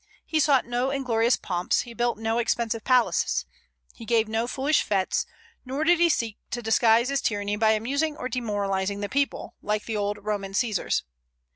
He sought no inglorious pomps; he built no expensive palaces; he gave no foolish fetes; nor did he seek to disguise his tyranny by amusing or demoralizing the people, like the old Roman Caesars.